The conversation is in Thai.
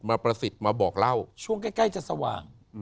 ประสิทธิ์มาบอกเล่าช่วงใกล้จะสว่าง